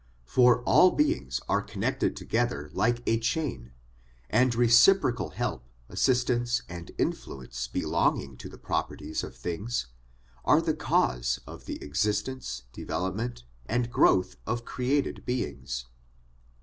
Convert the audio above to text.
For all beings are con nected together like a chain, and reciprocal help, assist ance, and influence belonging to the properties of things, are the causes of the existence, development, and growth of created beings.